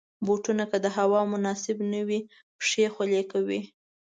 بوټونه که د هوا مناسب نه وي، پښې خولې کوي.